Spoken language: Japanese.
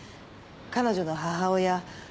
彼女の母親